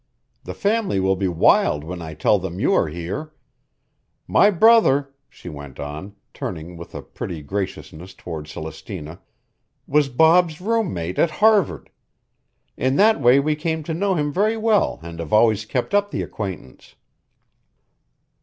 The family will be wild when I tell them you are here. My brother," she went on, turning with a pretty graciousness toward Celestina, "was Bob's roommate at Harvard. In that way we came to know him very well and have always kept up the acquaintance."